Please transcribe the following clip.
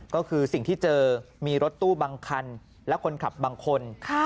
ก็คือสิ่งที่เจอมีรถตู้บางคันและคนขับบางคน